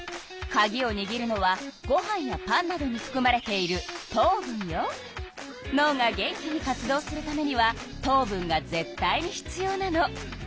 かぎをにぎるのはごはんやパンなどにふくまれているのうが元気に活動するためには糖分がぜっ対に必要なの。